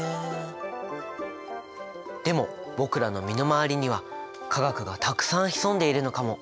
でも僕らの身の回りには化学がたくさん潜んでいるのかも。